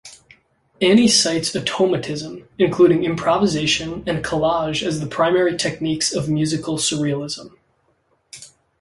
Anne cites automatism, including improvisation, and collage as the primary techniques of musical surrealism.